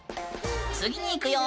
次に行くよ！